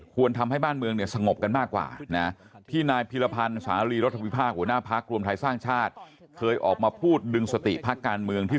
ควรทำให้บ้านเมืองหรือสงบกันมากกว่านะที่นายพีรพรรณศาลีรัตน์ภิพาคกับหัวหน้าภาครวมไทยสร้างชาติ